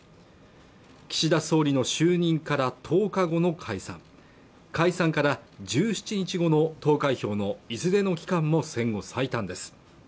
岸田総理の就任から１０日後の解散解散から１７日後の投開票のいずれの期間も戦後最短です